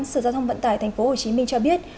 sở giao thông vận tải tp hcm cho biết